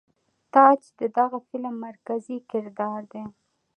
تاج د دغه فلم مرکزي کردار دے.